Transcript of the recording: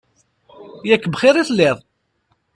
Yak bxir i telliḍ!